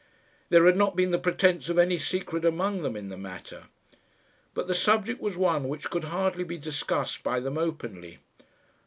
There had not been the pretence of any secret among them in the matter. But the subject was one which could hardly be discussed by them openly.